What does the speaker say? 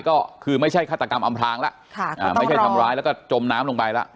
ก็คือไม่ใช่ฆาตกรรมอำพลางแล้วไม่ใช่ทำร้ายแล้วก็จมน้ำลงไปแล้ว